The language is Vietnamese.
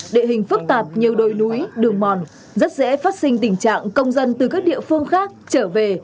địa hình phức tạp nhiều đồi núi đường mòn rất dễ phát sinh tình trạng công dân từ các địa phương khác trở về